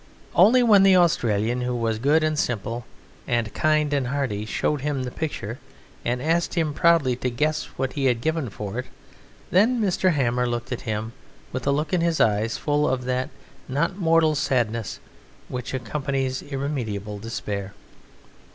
Only when the Australian, who was good and simple and kind and hearty, showed him the picture and asked him proudly to guess what he had given for it, then Mr. Hammer looked at him with a look in his eyes full of that not mortal sadness which accompanies irremediable despair.